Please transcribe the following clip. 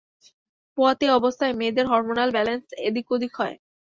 পোয়াতি অবস্থায় মেয়েদের hormonal balance এদিক-ওদিক হয়।